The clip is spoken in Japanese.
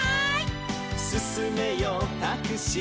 「すすめよタクシー」